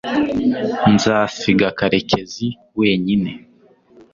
nzasiga karekezi wenyine